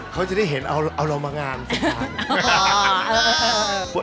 เขาจะได้เห็นเอาเรามางานสุดท้าย